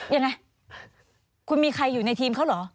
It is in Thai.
ยังไงคุณมีใครอยู่ในทีมเขาเหรอ